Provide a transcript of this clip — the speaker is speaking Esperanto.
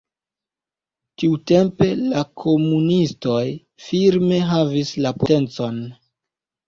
Tiutempe la komunistoj firme havis la potencon.